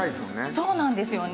そうなんですよね。